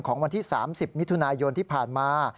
วันที่๓๐มิถุนายนที่ผ่านมา